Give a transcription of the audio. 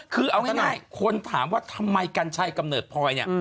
คือเอาง่ายคนถามว่าทำไมกัญชัยกำเนิดพลอยเนี่ย